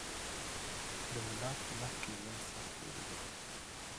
له میلاد مخکې ژوند سخت تېریدو